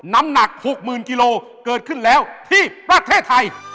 น้ำหนัก๖๐๐๐กิโลเกิดขึ้นแล้วที่ประเทศไทย